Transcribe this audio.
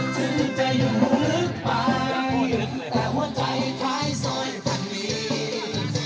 ถึงจะอยู่ลึกไปแต่หัวใจท้ายซอยอยู่ทางนี้